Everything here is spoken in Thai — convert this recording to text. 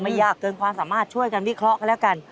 ยากเกินความสามารถช่วยกันวิเคราะห์กันแล้วกัน